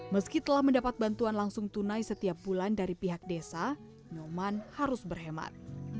meski telah mendapat bantuan langsung tunai setiap bulan dari pihak desa nyoman harus berhemat